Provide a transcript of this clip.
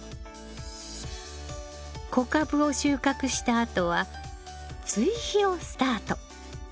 小株を収穫したあとは追肥をスタート。